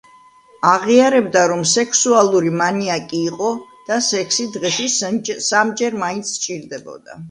აღიარებდა, რომ სექსუალური მანიაკი იყო და სექსი დღეში სამჯერ მაინც სჭირდებოდა.